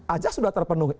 aja sudah terpenuhi